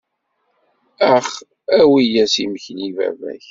Ax awi-yas imekli i baba-k.